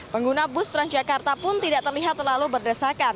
pengguna bus transjakarta pun tidak terlihat terlalu berdesakan